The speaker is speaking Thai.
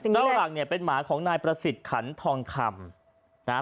หลังเนี่ยเป็นหมาของนายประสิทธิ์ขันทองคำนะฮะ